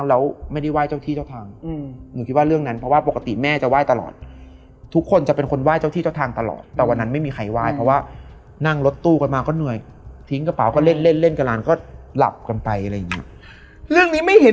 ก็ติ้งขึ้นมาเล่าเหตุการณ์นี้ให้เขาฟังที่เจอ